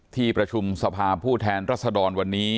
ทีประชุมสภาพผู้แทนรัศดรวรรณ์วันนี้